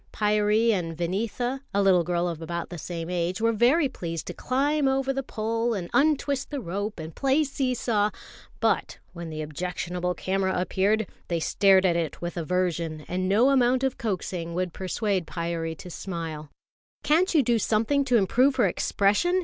Pyârie and Vineetha, a little girl of about the same age, were very pleased to climb over the pole and untwist the rope and play see saw; but when the objectionable camera appeared, they stared at it with aversion, and no amount of coaxing would persuade Pyârie to smile. "Can't you do something to improve her expression?"